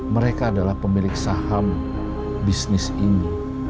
mereka adalah pemilik saham bisnis ini